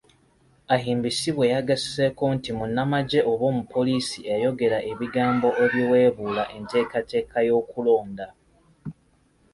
Ahimbisibwe yagasseeko nti munnamagye oba omupoliisi eyayogera ebigambo ebiweebuula enteekateeka y'okulonda.